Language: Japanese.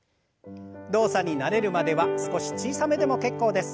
動作に慣れるまでは少し小さめでも結構です。